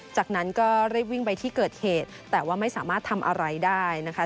จากนั้นก็รีบวิ่งไปที่เกิดเหตุแต่ว่าไม่สามารถทำอะไรได้นะคะ